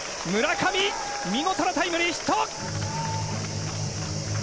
村上見事なタイムリーヒット！